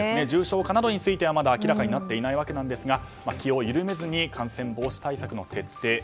重症化などについてはまだ明らかになっていませんが気を緩めずに感染防止対策の徹底